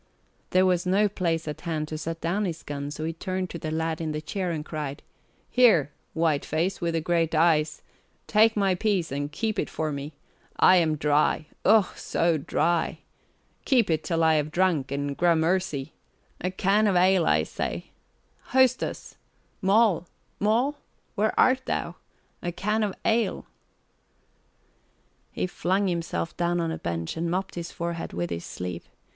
There was no place at hand to set down his gun so he turned to the lad in the chair and cried, "Here, whiteface with the great eyes, take my piece and keep it for me. I am dry Oh, so dry! Keep it till I have drunk, and gramercy. A can of ale, I say! Hostess! Moll! Moll! Where art thou? A can of ale!" He flung himself down on a bench and mopped his forehead with his sleeve.